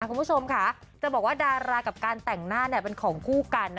คุณผู้ชมค่ะจะบอกว่าดารากับการแต่งหน้าเป็นของคู่กัน